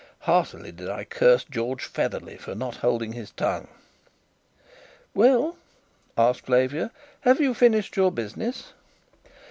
Heartily did I curse George Featherly for not holding his tongue. "Well," asked Flavia, "have you finished your business?"